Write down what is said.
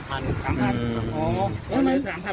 มีพวกนี้ฉันมียาก